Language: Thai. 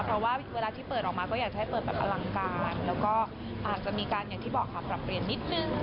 พอเปิดออกมาอยากให้เปิดแบบกำลังกายอาจจะกลับเปลี่ยนนิดนึง